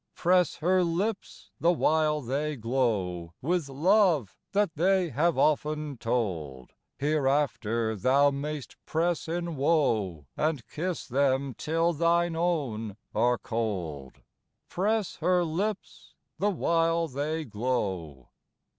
Press her lips the while they glow With love that they have often told, Hereafter thou mayst press in woe, And kiss them till thine own are cold. Press her lips the while they glow!